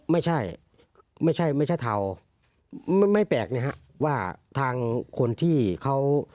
ไม่ใช่ไม่ใช่เทาไม่แปลกนะฮะว่าทางคนที่เขา